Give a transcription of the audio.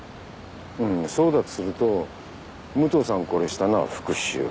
うんそうだとすると武藤さんを殺したのは復讐。